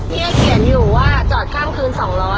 เขียนอยู่ว่าจอดข้ามคืน๒๐๐